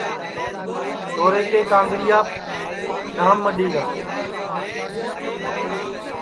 چھورے کے کانٚڑیاپ ڈؔام مڈؔی گا